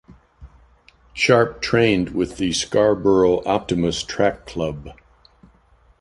Sharpe trained with the Scarborough Optimist Track Club.